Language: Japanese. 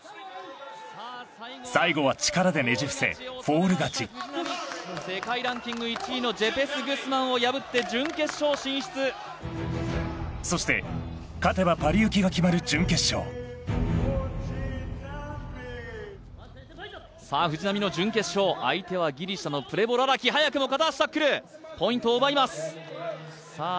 最後は力でねじ伏せフォール勝ち世界ランキング１位のジェペスグスマンを破って準決勝進出そして勝てばパリ行きが決まる準決勝さあ藤波の準決勝相手はギリシャのプレヴォララキ早くも片足タックルポイントを奪いますさあ